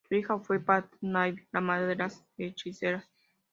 Su hija fue Paty Halliwell, la madre de las Hechiceras.